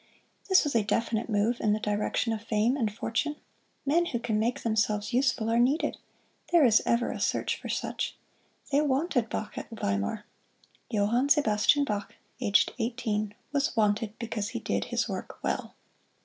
This was a definite move in the direction of fame and fortune. Men who can make themselves useful are needed there is ever a search for such. They wanted Bach at Weimar. Johann Sebastian Bach, aged eighteen, was wanted because he did his work well.